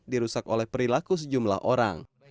dirusak oleh perilaku sejumlah orang